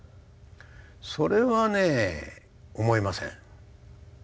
それはね思いません。